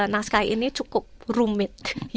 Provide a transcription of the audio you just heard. naskah ini cukup rumit